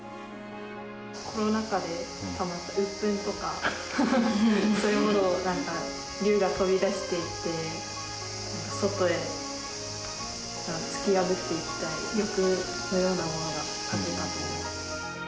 コロナ禍でたまったうっぷんとか、そういうものを、なんか龍が飛び出していって、外へ突き破っていきたい欲のようなものが描けたと思う。